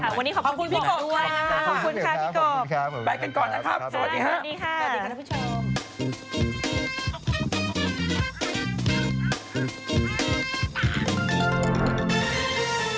วันนี้ขอบคุณพี่กบด้วยนะคะขอบคุณค่ะพี่กบไปกันก่อนนะครับสวัสดีค่ะสวัสดีค่ะสวัสดีค่ะท่านผู้ชม